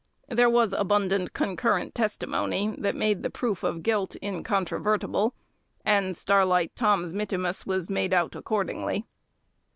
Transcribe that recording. There was abundant concurrent testimony that made the proof of guilt incontrovertible, and Starlight Tom's mittimus was made out accordingly.